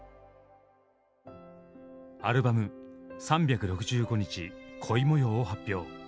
アルバム「３６５日恋もよう」を発表。